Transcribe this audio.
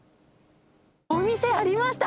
お店ありました。